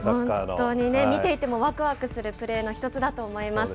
本当にね、見ていてもわくわくするプレーの一つだと思います。